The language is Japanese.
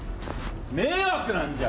迷惑なんじゃ！